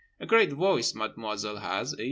"A great voice Mademoiselle has, eh?